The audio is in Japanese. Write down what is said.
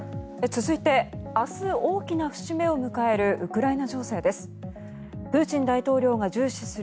続いて明日、大きな節目を迎えるウクライナ情勢です。